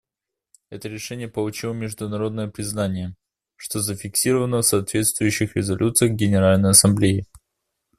Это решение получило международное признание, что зафиксировано в соответствующих резолюциях Генеральной Ассамблеи.